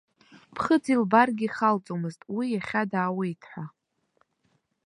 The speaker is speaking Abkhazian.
Ԥхыӡ илбаргьы ихалҵомызт уи иахьа даауеит ҳәа.